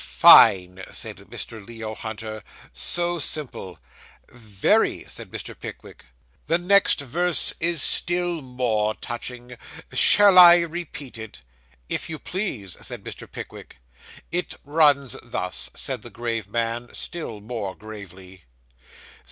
'Fine,' said Mr. Leo Hunter; 'so simple.' 'Very,' said Mr. Pickwick. 'The next verse is still more touching. Shall I repeat it?' 'If you please,' said Mr. Pickwick. 'It runs thus,' said the grave man, still more gravely.